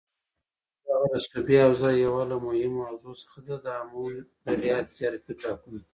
دغه رسوبي حوزه یوه له مهمو حوزو څخه ده دآمو دریا تجارتي بلاکونه